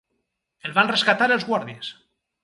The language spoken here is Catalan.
El van rescatar els guàrdies.